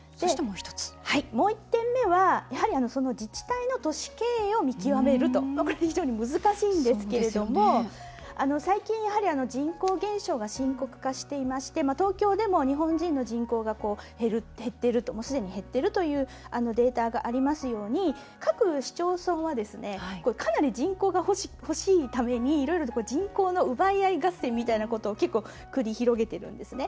もう１点目は、自治体の都市経営を見極めると、これは非常に難しいんですが最近、やはり人口減少が深刻化していまして東京でも日本人の人口がすでに減っているというデータがありますように各市町村はかなり人口が欲しいためにいろいろと人口の奪い合い合戦みたいなことを繰り広げているんですね。